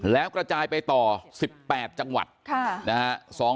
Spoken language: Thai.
แล้วกระจายไปต่อ๑๘จังหวัดนะฮะ